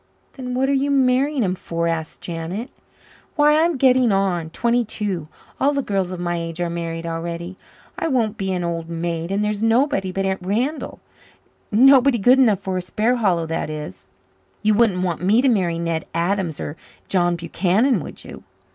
"Then what are you marrying him for?" asked Janet. "Why, I'm getting on twenty two all the girls of my age are married already. I won't be an old maid, and there's nobody but Randall. Nobody good enough for a Sparhallow, that is. You wouldn't want me to marry Ned Adams or John Buchanan, would you?"